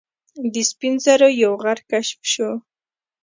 د سپین زرو یو غر کشف شو.